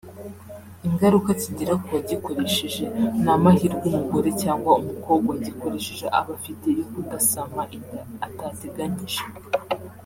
ingaruka kigira ku wagikoresheje n’amahirwe umugore cyangwa umukobwa wagikoresheje aba afite yo kudasama inda atateganyije